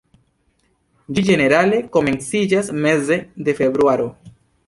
Ĝi ĝenerale komenciĝas meze de februaro.